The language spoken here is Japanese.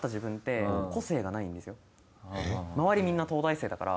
みんな東大生だから。